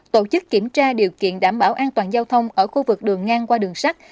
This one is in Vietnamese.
tổ chức kiểm tra điều kiện đảm bảo an toàn giao thông ở khu vực đường ngang qua đường sắt